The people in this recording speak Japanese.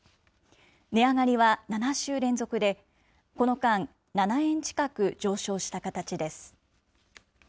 値上がりは７週連続で、この間、７円近く上昇した形です。